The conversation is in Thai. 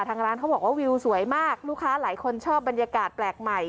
ทางร้านเขาบอกว่าวิวสวยมากลูกค้าหลายคนชอบบรรยากาศแปลกใหม่